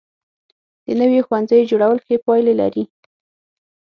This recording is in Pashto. د نویو ښوونځیو جوړول ښې پایلې لري.